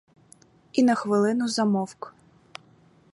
І на хвилину замовк.